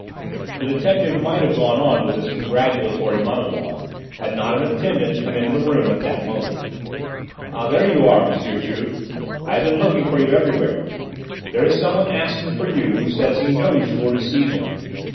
The detective might have gone on with his congratulatory monologue had not an attendant come into the room at that moment. "Ah, there you are, M. Juve: I have been looking for you everywhere. There is someone asking for you who says he knows you will receive him.